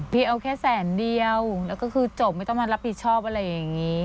เอาแค่แสนเดียวแล้วก็คือจบไม่ต้องมารับผิดชอบอะไรอย่างนี้